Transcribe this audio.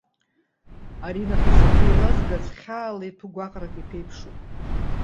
Ари нахыс абри еилазгаз хьаала иҭәу гәаҟрак иԥеиԥшуп.